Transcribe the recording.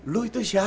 lo itu siapa